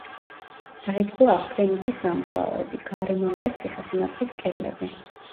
დაიწყო აღდგენითი სამუშაოები, გარემონტეს ციხესიმაგრის კედლები.